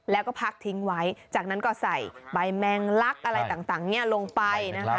แล้วก็พักทิ้งไว้จากนั้นก็ใส่ใบแมงลักอะไรต่างลงไปนะคะ